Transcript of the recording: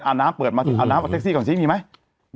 เอาน้ำเปิดมาเอาน้ำแท็กซี่ของชิคกี้พายมีไหม